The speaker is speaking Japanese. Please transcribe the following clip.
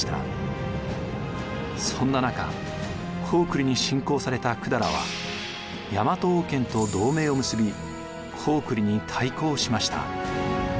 そんな中高句麗に侵攻された百済は大和王権と同盟を結び高句麗に対抗しました。